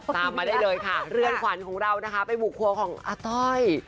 ตามมาได้เลยค่ะเรือนขวัญของเรานะคะไปบุกครัวของอาต้อย